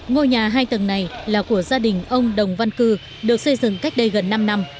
ngôi nhà hai tầng này là của gia đình ông đồng văn cư được xây dựng cách đây gần năm năm